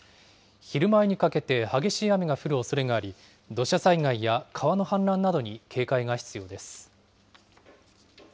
昼前にかけて激しい雨が降るおそれがあり、土砂災害や川の氾濫などに警戒が必要です。